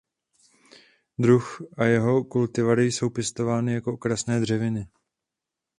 Druh a jeho kultivary jsou pěstovány jako okrasné dřeviny.